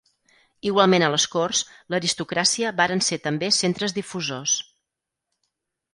Igualment a les corts, l’aristocràcia varen ser també centres difusors.